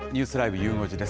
ゆう５時です。